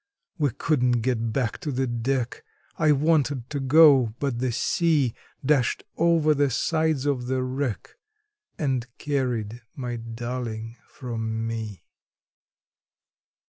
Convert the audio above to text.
We couldn't get back to the deck: I wanted to go, but the sea Dashed over the sides of the wreck, and carried my darling from me.